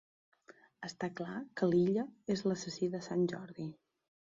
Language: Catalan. Està clar que l'Illa és l'assassí de sant Jordi!